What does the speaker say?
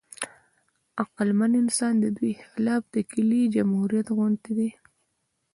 عقلمن انسان د دوی خلاف د کیلې جمهوریت غوندې دی.